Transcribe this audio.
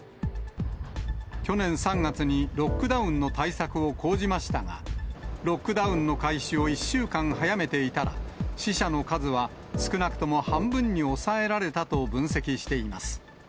去年３月にロックダウンの対策を講じましたが、ロックダウンの開始を１週間早めていたら、死者の数は少なくとも半分に抑えられたと分析しています。